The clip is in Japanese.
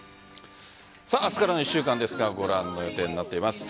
明日からの１週間ですがご覧の予定になっています。